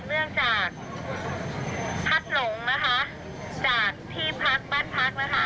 เนื่องจากพัดหลงนะคะจากที่พักบ้านพักนะคะ